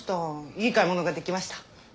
いい買い物ができました。